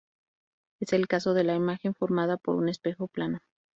Es el caso de la imagen formada por un espejo plano.